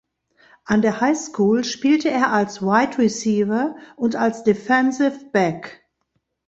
An der Highschool spielte er als Wide Receiver und als Defensive Back.